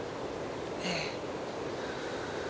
ええ。